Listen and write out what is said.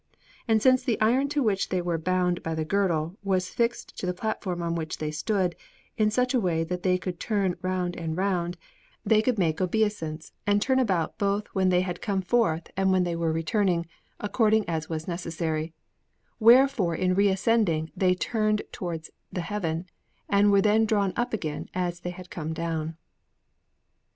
And since the iron to which they were bound by the girdle was fixed to the platform on which they stood, in such a way that they could turn round and round, they could make obeisance and turn about both when they had come forth and when they were returning, according as was necessary; wherefore in reascending they turned towards the Heaven, and were then drawn up again as they had come down.